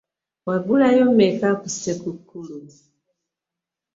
Wagulayo mmeka ku ssekukkulu?